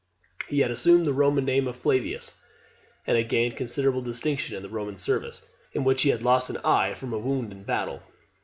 He had assumed the Roman name of Flavius, and had gained considerable distinction in the Roman service, in which he had lost an eye from a wound in battle.